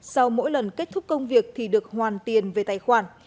sau mỗi lần kết thúc công việc thì được hoàn tiền về tài khoản